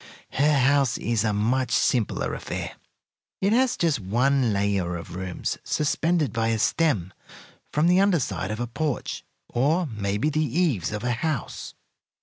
Her house is a much simpler affair. It has just one layer of rooms suspended by a stem from the under side of a porch, or maybe the eaves, of a house."